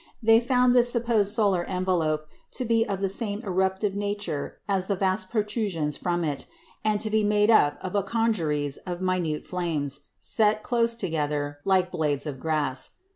They found this supposed solar envelope to be of the same eruptive nature as the vast protrusions from it, and to be made up of a congeries of minute flames set close together like blades of grass.